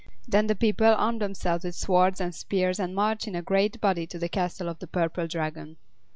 Then the people armed themselves with swords and spears and marched in a great body to the castle of the Purple Dragon.